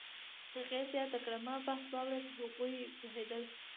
هغې زیاته کړه: "ما بحث واورېد، هغوی پوهېدل